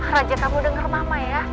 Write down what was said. raja kamu denger mama ya